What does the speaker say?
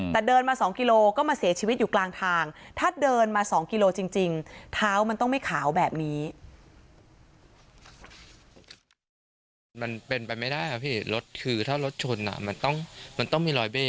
แต่เดินมา๒กิโลก็มาเสียชีวิตอยู่กลางทาง